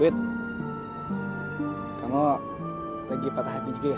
wait kamu lagi patah hp juga ya